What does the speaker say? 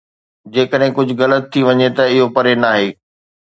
جيڪڏهن ڪجهه غلط ٿي وڃي ته اهو پري ناهي